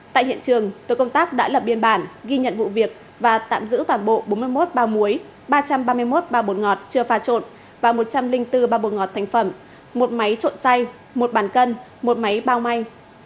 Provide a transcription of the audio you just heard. tại hiện trường tổ công tác đã lập biên bản ghi nhận vụ việc và tạm giữ toàn bộ bốn mươi một bao muối ba trăm ba mươi một bao bột ngọt chưa pha trộn và một trăm linh bốn bao bột ngọt thành phẩm một máy trộn say một bàn cân một máy bao may